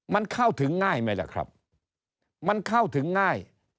มันเข้าถึงง่ายไหมล่ะครับมันเข้าถึงง่าย